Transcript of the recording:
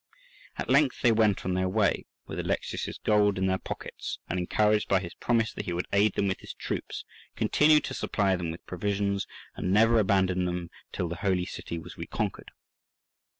At length they went on their way, with Alexius's gold in their pockets, and encouraged by his promise that he would aid them with his troops, continue to supply them with provisions, and never abandon them till the Holy City was reconquered.